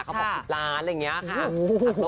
เขาบอก๑๐ล้านอะไรอย่างนี้ค่ะ